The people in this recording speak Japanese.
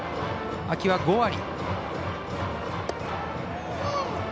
秋は５割。